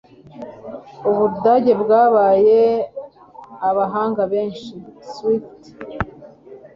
Ubudage bwabyaye abahanga benshi (Swift)